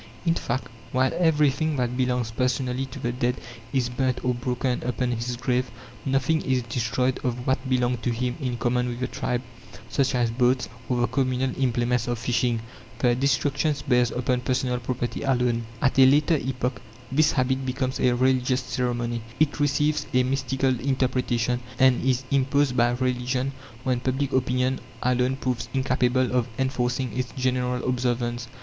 In fact, while everything that belongs personally to the dead is burnt or broken upon his grave, nothing is destroyed of what belonged to him in common with the tribe, such as boats, or the communal implements of fishing. The destruction bears upon personal property alone. At a later epoch this habit becomes a religious ceremony. It receives a mystical interpretation, and is imposed by religion, when public opinion alone proves incapable of enforcing its general observance.